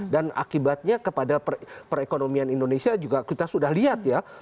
dan akibatnya kepada perekonomian indonesia juga kita sudah lihat ya